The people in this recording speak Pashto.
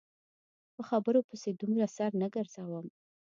په خبرو پسې دومره سر نه ګرځوم.